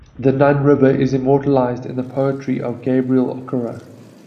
The Nun River is immortalised in the poetry of Gabriel Okara.